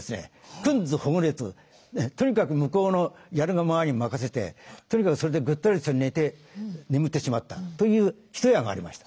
くんずほぐれつとにかく向こうのやるがままに任せてとにかくそれでぐったりと寝て眠ってしまったという一夜がありました。